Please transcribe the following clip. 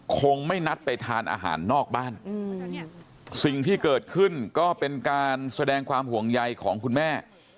คงไม่นัดไปทานอาหารนอกบ้านสิ่งที่เกิดขึ้นก็เป็นการแสดงความห่วงใยของคุณแม่